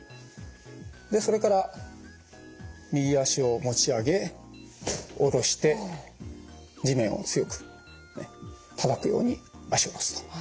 でそれから右脚を持ち上げ落として地面を強くたたくように脚を下ろすと。